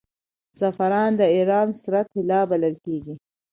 زعفران د ایران سره طلا بلل کیږي.